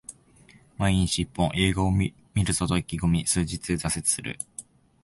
毎日一本、映画を観るぞと意気込み数日で挫折する